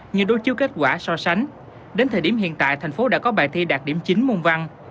như đối chiếu kết quả so sánh đến thời điểm hiện tại thành phố đã có bài thi đạt điểm chín môn văn